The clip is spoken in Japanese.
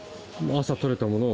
朝獲れたものを。